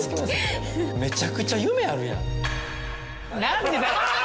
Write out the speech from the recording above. めちゃくちゃ夢あるやん何でだよ！